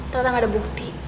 tentang ada bukti